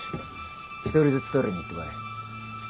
１人ずつトイレに行ってこい。